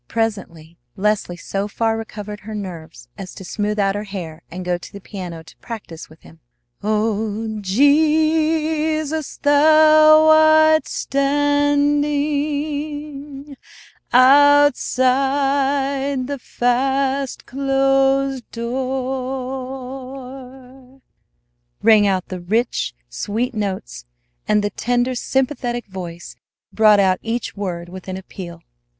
Presently Leslie so far recovered her nerves as to smooth out her hair and go to the piano to practise with him. "O Jesus, Thou art standing Outside the fast closed door," rang out the rich, sweet notes; and the tender, sympathetic voice brought out each word with an appeal.